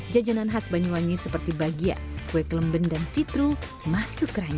jajanan khas banyuwangi seperti bagia kue kelemben dan sitru masuk keranjang